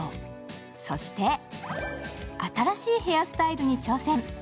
そして新しいヘアスタイルに挑戦。